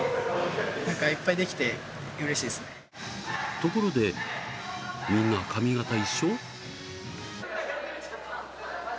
ところでみんな髪形が一緒？